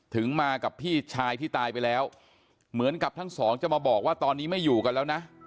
มากับพี่ชายที่ตายไปแล้วเหมือนกับทั้งสองจะมาบอกว่าตอนนี้ไม่อยู่กันแล้วนะ